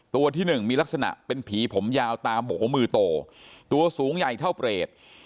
ตัวที่หนึ่งมีลักษณะเป็นผีผมยาวตามโบมือโตตัวสูงใหญ่เท่าเปรต